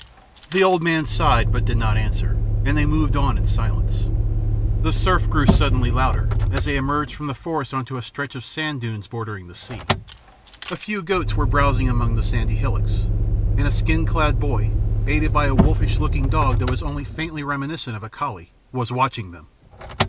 The old man sighed but did not answer, and they moved on in silence. The surf grew suddenly louder, as they emerged from the forest upon a stretch of sand dunes bordering the sea. A few goats were browsing among the sandy hillocks, and a skin clad boy, aided by a wolfish looking dog that was only faintly reminiscent of a collie, was watching them.